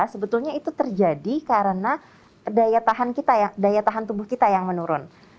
sebetulnya itu terjadi karena daya tahan tubuh kita yang menurun